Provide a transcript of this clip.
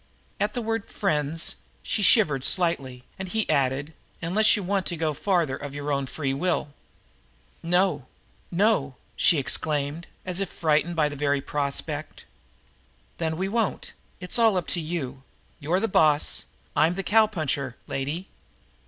At the word "friends" she shivered slightly, and he added: "Unless you want to go farther of your own free will." "No, no!" she exclaimed, as if frightened by the very prospect. "Then we won't. It's all up to you. You're the boss, and I'm the cow puncher, lady."